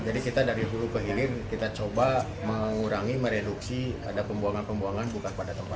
jadi kita dari dulu ke hilir kita coba mengurangi mereduksi ada pembuangan pembuangan bukan pada tempat